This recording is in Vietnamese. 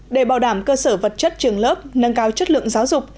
để bảo đảm cơ sở vật chất trường lớp nâng cao chất lượng giáo dục